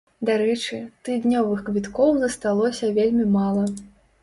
Дарэчы, тыднёвых квіткоў засталося вельмі мала.